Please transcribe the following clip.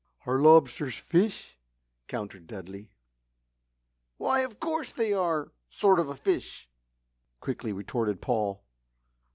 "Are lobsters fish?" countered Dudley. "Why, of course they are a sort of fish," quickly retorted Paul.